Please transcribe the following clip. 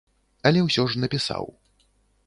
Але ўсё ж напісаў.